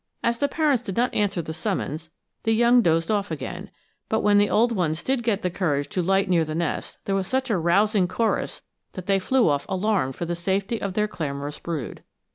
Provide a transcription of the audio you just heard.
As the parents did not answer the summons, the young dozed off again, but when the old ones did get courage to light near the nest there was such a rousing chorus that they flew off alarmed for the safety of their clamorous brood.